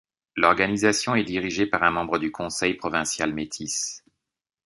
L'organisation est dirigée par un membre du Conseil provincial métis.